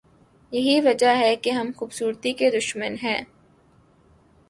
یہی وجہ ہے کہ ہم خوبصورتی کے دشمن ہیں۔